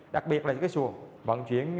đặc biệt là cái xuồng vận chuyển